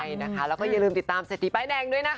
ใช่นะคะแล้วก็อย่าลืมติดตามเศรษฐีป้ายแดงด้วยนะคะ